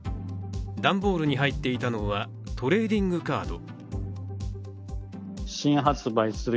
段ボールに入っていたのはトレーディングカード。